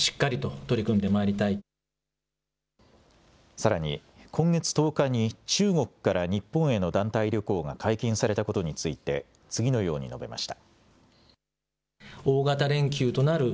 さらに今月１０日に中国から日本への団体旅行が解禁されたことについて次のように述べました。